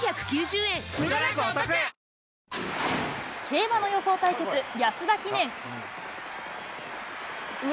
競馬の予想対決、安田記念。